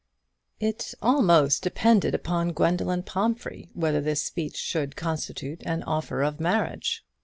It almost depended upon Gwendoline Pomphrey whether this speech should constitute an offer of marriage.